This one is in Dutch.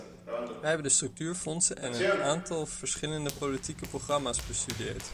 Wij hebben de structuurfondsen en een aantal verschillende politieke programma's bestudeerd.